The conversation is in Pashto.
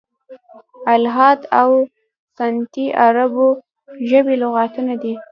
"الحاد او سنتي" عربي ژبي لغتونه دي.